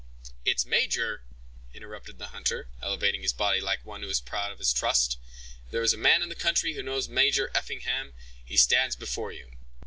"Its major!" interrupted the hunter, elevating his body like one who was proud of his trust. "If there is a man in the country who knows Major Effingham, he stands before you."